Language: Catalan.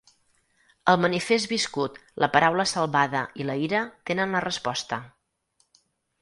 El manifest viscut, la paraula salvada i la ira tenen la resposta.